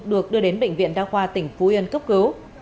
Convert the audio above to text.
được đưa đến bệnh viện đa khoa tỉnh phú yên cấp cứu